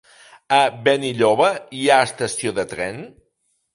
A Benilloba hi ha estació de tren?